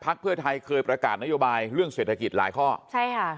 เพื่อไทยเคยประกาศนโยบายเรื่องเศรษฐกิจหลายข้อใช่ค่ะ